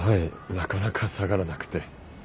なかなか下がらなくて。